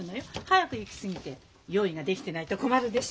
早く行き過ぎて用意ができてないと困るでしょう？